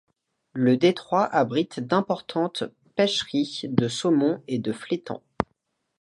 Le détroit abrite d'importantes pêcheries de saumons et de flétans.